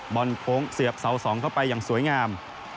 อนโค้งเสียบเสา๒เข้าไปอย่างสวยงาม